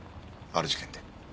ある事件で。